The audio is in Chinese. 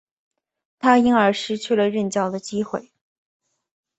他因而失去了任教的机会。